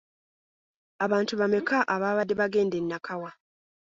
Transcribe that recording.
Abantu bameka abaabadde bagenda e Nakawa?